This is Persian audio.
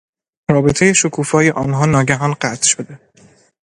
رابطهی شکوفای آنها ناگهان قطع شد.